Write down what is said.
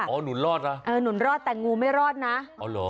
เอ้าหนุนรอดล่ะเออหนุนรอดแต่งูไม่รอดนะเอาเหรอ